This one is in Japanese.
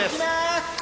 いきます！